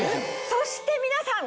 そして皆さん。